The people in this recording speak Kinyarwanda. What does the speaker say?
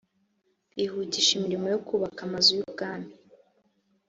bihutisha imirimo yo kubaka amazu y’ubwami